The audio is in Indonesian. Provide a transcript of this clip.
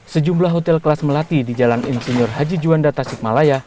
sejumlah hotel kelas melati di jalan insinyur haji juanda tasikmalaya